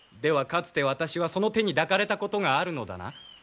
かつて私はその手に抱かれたことがあるのだな？